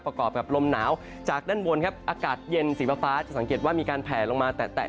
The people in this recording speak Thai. ประกอบกับลมหนาวจากด้านบนครับอากาศเย็นสีฟ้าจะสังเกตว่ามีการแผลลงมาแตะ